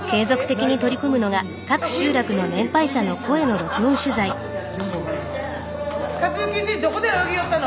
どこで泳ぎよったの？